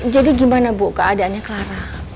jadi gimana bu keadaannya clara